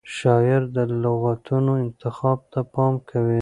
شاعر د لغتونو انتخاب ته پام کوي.